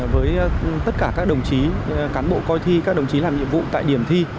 với tất cả các đồng chí cán bộ coi thi các đồng chí làm nhiệm vụ tại điểm thi